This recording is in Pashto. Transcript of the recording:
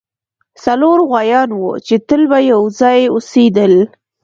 څلور غوایان وو چې تل به یو ځای اوسیدل.